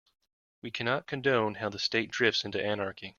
We cannot condone how the state drifts into anarchy.